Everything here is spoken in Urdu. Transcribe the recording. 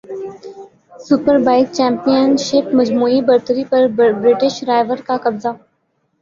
سپربائیک چیمپئن شپ مجموعی برتری پر برٹش رائیور کاقبضہ